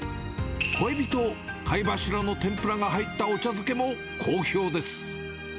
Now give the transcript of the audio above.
小エビと貝柱の天ぷらが入ったお茶漬けも好評です。